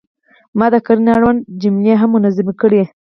ما د کرنې اړوند جملې هم منظمې کړې.